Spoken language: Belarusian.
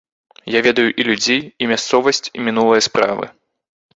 Я ведаю і людзей, і мясцовасць, і мінулыя справы.